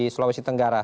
ya makasih pak